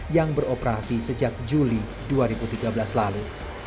yang beroperasi sejak juli dua ribu tiga belas lalu